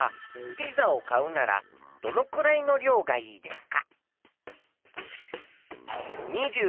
ピザを買うならどのくらいの量がいいか？